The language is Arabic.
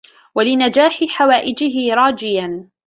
وَلِنَجَاحِ حَوَائِجِهِ رَاجِيًا